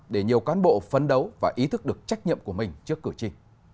để nhiều cán bộ phấn đấu và ý thức được trách nhiệm của mình trước cử tri